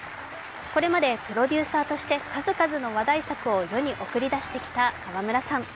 これまでプロデューサーとして数々の話題作を世に送り出してきた川村さん。